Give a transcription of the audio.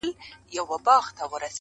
ته پوهیږې د ابا سیوری دي څه سو؟!!.